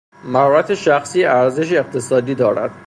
مهارت شخصی ارزش اقتصادی دارد.